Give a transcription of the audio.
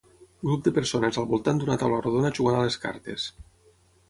Grup de persones al voltant d"una taula rodona jugant a les cartes.